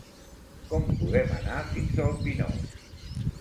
Com podem anar fins al Pinós?